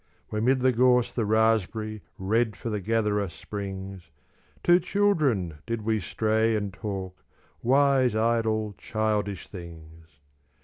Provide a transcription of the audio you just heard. Where 'mid the gorse the raspberry Red for the gatherer springs; Two children did we stray and talk Wise, idle, childish things.